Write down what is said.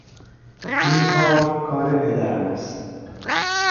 این کار کار پدرم است.